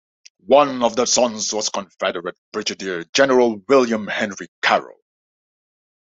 One of their sons was Confederate Brigadier General William Henry Carroll.